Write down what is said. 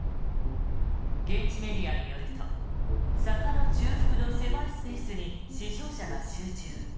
現地メディアによると坂の中腹の狭いスペースに死傷者が集中。